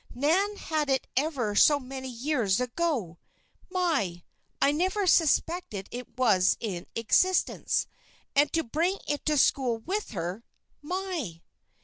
Nan had it ever so many years ago. My! I never suspected it was in existence. And to bring it to school with her! My!"